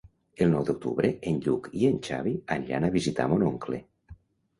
El nou d'octubre en Lluc i en Xavi aniran a visitar mon oncle.